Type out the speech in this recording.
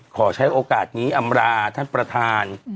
ขอใช้โอกาสนี้อำราท่านประธาน